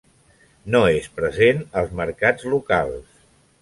No és present als mercats locals.